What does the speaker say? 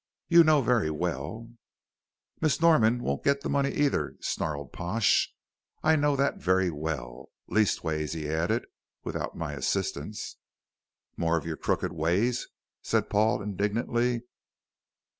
You know very well " "Miss Norman won't get the money either," snarled Pash, "I know that very well. Leastways," he added, "without my assistance." "More of your crooked ways," said Paul, indignantly.